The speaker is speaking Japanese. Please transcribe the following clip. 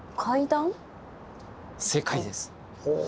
正解です。